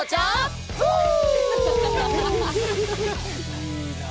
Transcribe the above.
いいなあ。